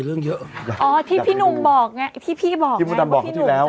เรื่องเยอะอ๋อพี่พี่หนุ่มบอกไงพี่พี่บอกไงพี่หนุ่มบอกแล้วที่แล้ว